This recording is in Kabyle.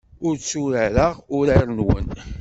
Ur tturareɣ urar-nwen.